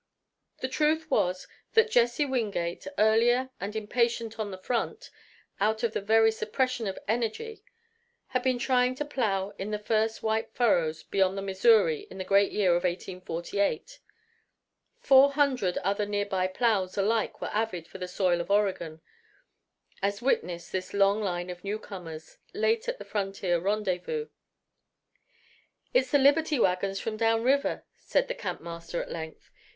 The truth was that Jesse Wingate, earlier and impatient on the front, out of the very suppression of energy, had been trying his plow in the first white furrows beyond the Missouri in the great year of 1848. Four hundred other near by plows alike were avid for the soil of Oregon; as witness this long line of newcomers, late at the frontier rendezvous. "It's the Liberty wagons from down river," said the campmaster at length.